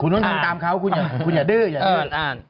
คุณต้องทำตามเขาคุณอย่าดื้ออย่าอ่าน